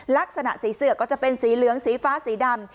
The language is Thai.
ลักษณะสีเสือก็จะเป็นสีเหลืองสีฟ้าสีดำ